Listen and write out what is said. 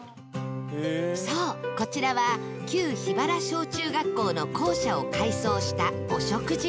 そうこちらは旧桧原小中学校の校舎を改装したお食事処